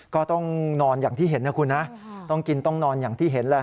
ก็ต้องนอนอย่างที่เห็นนะคุณนะต้องกินต้องนอนอย่างที่เห็นแหละ